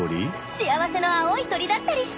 幸せの青い鳥だったりして。